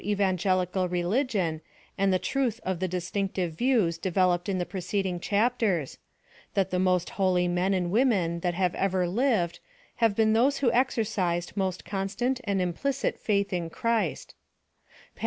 247 ol evangelical religion, and the truth of the distinc tive views developed in the preceding chapters — that the most holy men and women that have ever lived, have been those who exercised most constant and implicit faith in Christ.